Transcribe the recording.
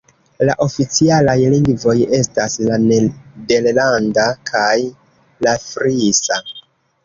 La oficialaj lingvoj estas la nederlanda kaj la frisa.